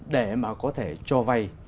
để mà có thể cho vay